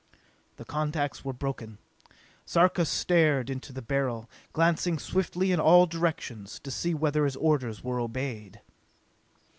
The contacts were broken. Sarka stared into the Beryl, glancing swiftly in all directions, to see whether his orders were obeyed.